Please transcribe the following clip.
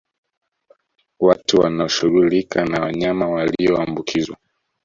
Watu wanaoshughulika na wanyama walioambukizwa